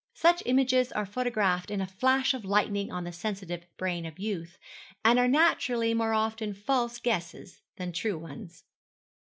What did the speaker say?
Such images are photographed in a flash of lightning on the sensitive brain of youth, and are naturally more often false guesses than true ones.